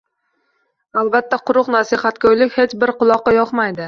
Albatta, quruq nasihatgoʻylik hech bir quloqqa yoqmaydi